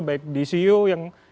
baik dcu yang